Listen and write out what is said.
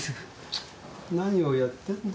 何をやってんだ。